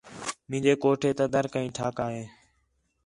مینجے کوٹھے تا در کئیں ٹھاکا ہے